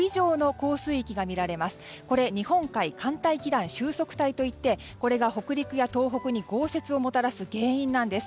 これ日本海寒帯気団収束帯と言ってこれが北陸や東北に降雪をもたらす原因なんです。